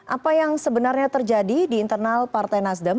apa yang sebenarnya terjadi di internal partai nasdem